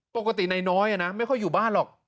ปกติไหนน้อยอะนะไม่ค่อยอยู่บ้านหรอก